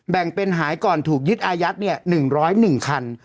แบ่งเป็นหายก่อนถูกยึดอายัด๑๐๑คัน